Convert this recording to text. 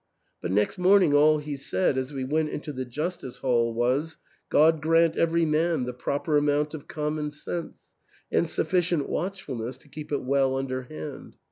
But next morn ing all he said, as we went into the justice hall, was, " God grant every man the proper amount of common sense, and sufficient watchfulness to keep it well under hand.